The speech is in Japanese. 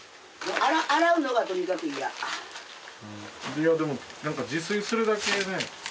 いやでも何か自炊するだけね。